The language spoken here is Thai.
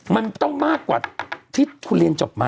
มันต้องมากกว่าที่คุณเรียนจบมา